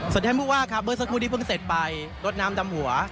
ส่วนท่านผู้ว่าครับเมื่อสักครู่นี้เพิ่งเสร็จไปรดน้ำดำหัว